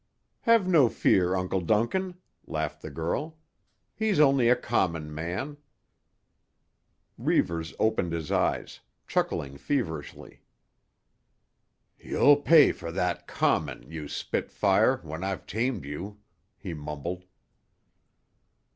"Have no fear, Uncle Duncan," laughed the girl. "He's only a common man." Reivers opened his eyes, chuckling feverishly. "You'll pay for that 'common,' you spitfire, when I've tamed you," he mumbled.